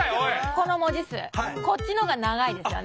この文字数こっちのほうが長いですよね。